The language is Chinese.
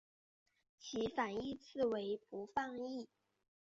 其反义字为不放逸。